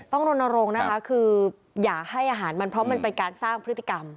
รณรงค์นะคะคืออย่าให้อาหารมันเพราะมันเป็นการสร้างพฤติกรรม